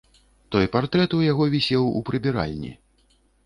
Той партрэт у яго вісеў у прыбіральні.